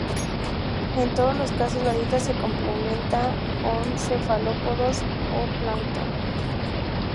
En todos los casos la dieta se complementa con cefalópodos o plancton.